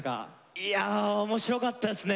いや面白かったですね。